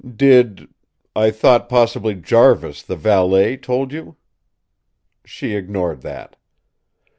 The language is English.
"Did I thought, possibly, Jarvis, the valet, told you." She ignored that.